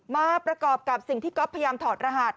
มาประกอบกับสิ่งที่ก๊อฟพยายามถอดรหัส